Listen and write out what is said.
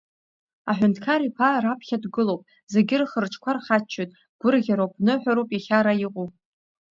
Аҳәынҭқар иԥа раԥхьа дгылоуп, зегьы рхырҿқәа рхаччоит, гәырӷьароуп, ныҳәароуп иахьа ара иҟоу.